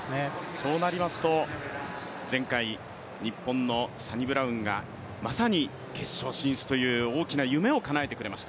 そうなりますと前回、日本のサニブラウンがまさに決勝進出という大きな夢をかなえてくれました。